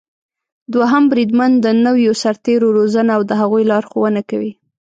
دوهم بریدمن د نويو سرتېرو روزنه او د هغوی لارښونه کوي.